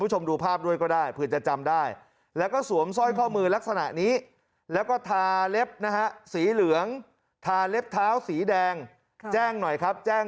หรือว่าเป็นเรื่องของฆาตกรรมคำแหละครับท่าน